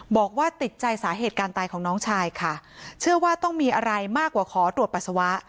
บอกว่าติดใจสาเหตุการตายของน้องชายค่ะเชื่อว่าต้องมีอะไรมากกว่าขอตรวจปัสสาวะ